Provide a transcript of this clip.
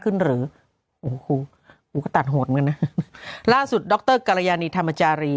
ขึ้นหรือกูก็ตัดห่วงกันนะล่าสุดดรการยานิธรรมจารี